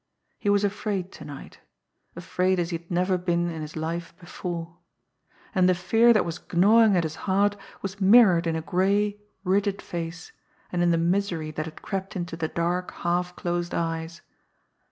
He was afraid to night, afraid as he had never been in his life before; and the fear that was gnawing at his heart was mirrored in a gray, rigid face, and in the misery that had crept into the dark, half closed eyes.